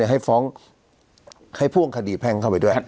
ให้ฟ้องให้พ่วงคดีแพ่งเข้าไปด้วย